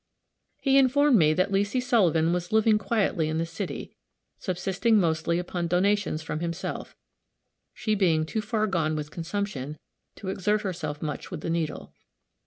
He informed me that Leesy Sullivan was living quietly in the city, subsisting mostly upon donations from himself, she being too far gone with consumption to exert herself much with the needle.